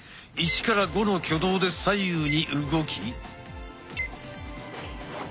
１５の挙動で左右に動き。